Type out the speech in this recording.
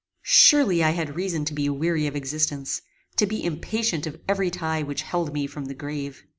Surely I had reason to be weary of existence, to be impatient of every tie which held me from the grave.